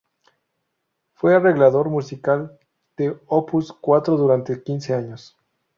Fue arreglador musical de Opus Cuatro durante quince años.